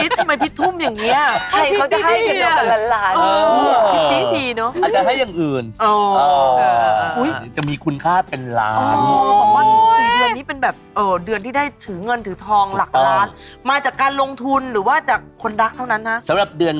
ได้จากคนรักไปจะร้านล้านเลย